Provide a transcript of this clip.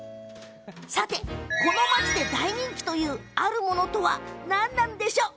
この町で大人気というあるものとは何なんでしょうか？